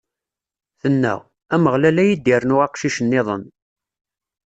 Tenna: Ameɣlal ad yi-d-irnu aqcic-nniḍen!